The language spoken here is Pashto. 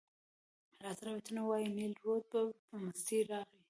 زاړه روایتونه وایي نیل رود به په مستۍ راغی.